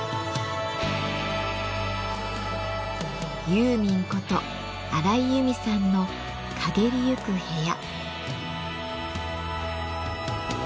ユーミンこと荒井由実さんの「翳りゆく部屋」。